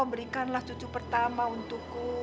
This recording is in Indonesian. berikanlah cucu pertama untukku